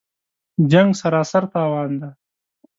جـنګ سراسر تاوان دی